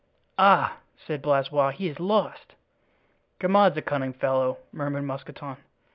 "Ah!" cried Blaisois, "he is lost!" "Grimaud's a cunning fellow," murmured Mousqueton.